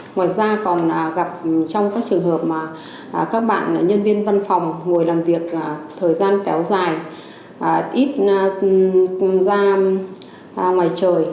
ngoài ra còn gặp trong các trường hợp mà các bạn nhân viên văn phòng ngồi làm việc thời gian kéo dài ít ra ngoài trời